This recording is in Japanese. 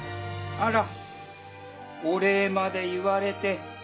あらおれいまでいわれて。